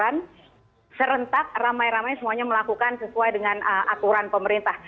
jadi setiap negara bagian memiliki aturan serentak ramai ramai semuanya melakukan sesuai dengan aturan pemerintah